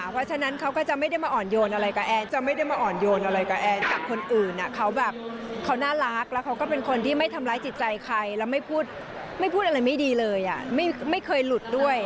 เพราะฉะนั้นเขาก็จะไม่ได้มาอ่อนโยนอะไรกับแอร์จะไม่ได้มาอ่อนโยนอะไรกับแอร์กับคนอื่นเขาแบบเขาน่ารักแล้วเขาก็เป็นคนที่ไม่ทำร้ายจิตใจใครแล้วไม่พูดอะไรไม่ดีเลยไม่เคยหลุดด้วย